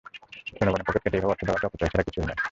জনগণের পকেট কেটে এভাবে অর্থ দেওয়াটা অপচয় ছাড়া কিছু হবে না।